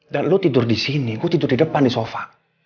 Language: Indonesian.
dan lo tidur disini gue tidur di depan di sofa